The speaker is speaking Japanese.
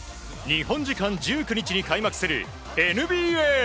日本時間１９日に開幕するＮＢＡ。